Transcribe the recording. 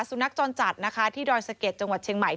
สุนัขจรจัดนะคะที่ดอยสะเก็ดจังหวัดเชียงใหม่